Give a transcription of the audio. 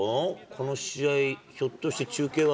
この試合、ひょっとして中継